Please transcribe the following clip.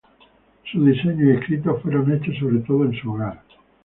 Sus diseños y escritos fueron hechos sobre todo en su hogar.